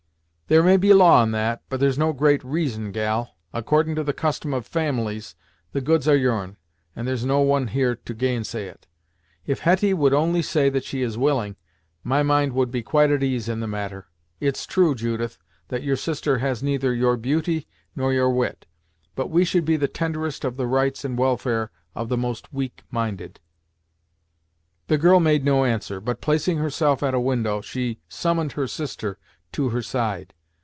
"There may be law in that, but there's no great reason, gal. Accordin' to the custom of families, the goods are your'n, and there's no one here to gainsay it. If Hetty would only say that she is willing, my mind would be quite at ease in the matter. It's true, Judith, that your sister has neither your beauty, nor your wit; but we should be the tenderest of the rights and welfare of the most weak minded." The girl made no answer but placing herself at a window, she summoned her sister to her side.